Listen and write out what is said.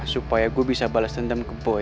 supaya gue bisa balas dendam ke boy